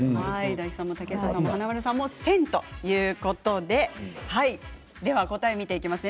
大吉さん、華丸さんも「１０００」ということで答えを見ていきますね。